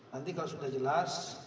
nanti kalau sudah jelas